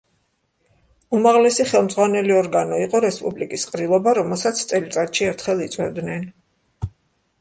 უმაღლესი ხელმძღვანელი ორგანო იყო რესპუბლიკის ყრილობა, რომელსაც წელიწადში ერთხელ იწვევდნენ.